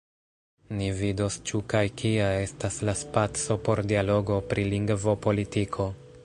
Ni vidos ĉu kaj kia estas la spaco por dialogo pri lingvopolitiko.